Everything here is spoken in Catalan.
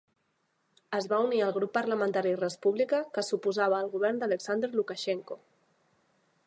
Es va unir al grup parlamentari Respublika que s'oposava al govern d'Aleksandr Lukashenko.